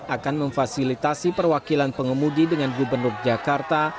akan memfasilitasi perwakilan pengemudi dengan gubernur jakarta